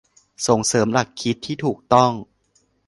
ส่งเสริมหลักคิดที่ถูกต้อง